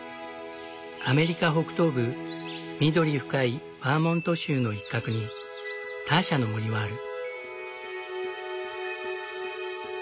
アメリカ北東部緑深いバーモント州の一角にターシャの森はある。